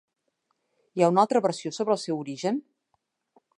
Hi ha una altra versió sobre el seu origen?